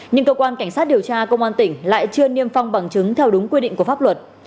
nhưng cơ quan cảnh sát điều tra công an tỉnh lại chưa niêm phong bằng chứng theo đúng quy định của pháp luật